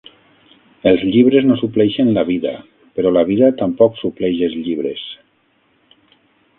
Els llibres no supleixen la vida, però la vida tampoc supleix els llibres.